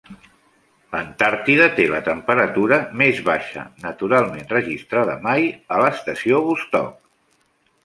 L'Antàrtida té la temperatura més baixa naturalment registrada mai: a l'Estació Vostok.